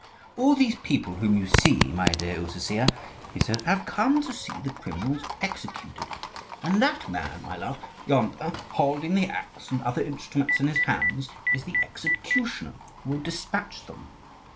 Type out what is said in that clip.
"All these people whom you see, my dear Usisya," he said, "have come to see the criminals executed; and that man, my love, yonder, holding the axe and other instruments in his hands, is the executioner, who will despatch them.